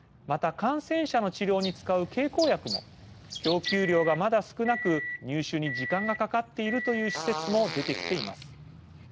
また感染者の治療に使う経口薬も供給量がまだ少なく入手に時間がかかっているという施設も出てきています。